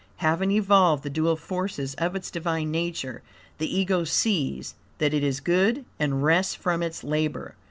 Having evolved the dual forces of its divine nature, the Ego sees that it is good and rests from its labor.